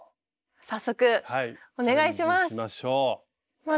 早速お願いします！